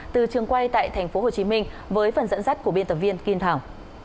từ trường quay tại tp hcm với phần dẫn dắt của biên tập viên kim thảo